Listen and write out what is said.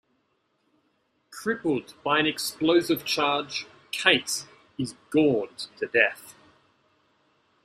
Crippled by an explosive charge, Kate is gored to death.